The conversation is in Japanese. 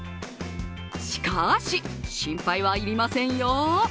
しかし、心配は要りませんよ。